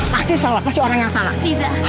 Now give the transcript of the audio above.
pasti selalu pasti orang yang salah